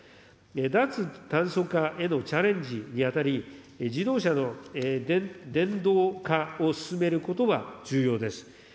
脱炭素化へのチャレンジにあたり、自動車の電動化を進めることは重要です。